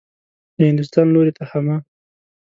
د هندوستان لوري ته حمه.